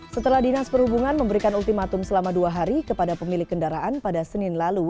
setelah dinas perhubungan memberikan ultimatum selama dua hari kepada pemilik kendaraan pada senin lalu